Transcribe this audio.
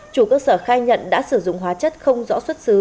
chủ cơ sở khai nhận đã sử dụng hóa chất không rõ xuất xứ